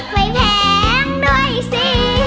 ไม่แพงด้วยสิ